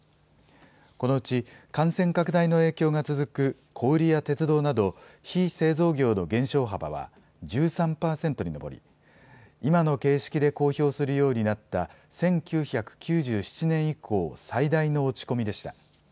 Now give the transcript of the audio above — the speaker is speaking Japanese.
このうち感染拡大の影響が続く小売りや鉄道など、非製造業の減少幅は１３％に上り、今の形式で公表するようになった１９９７年以降、最大の落ち込みでした。